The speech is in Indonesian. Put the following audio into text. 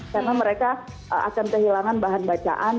karena mereka akan kehilangan bahan bacaan